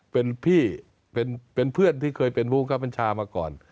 เป็นพี่เป็นเพื่อนที่เคยเป็นผู้คับบัญชามาก่อน